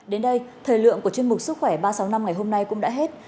đến đây thời lượng của chương mục sức khỏe ba trăm sáu mươi năm ngày hôm nay cũng đã hết